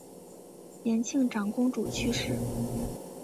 延庆长公主去世。